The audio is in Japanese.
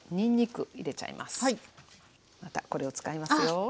またこれを使いますよ。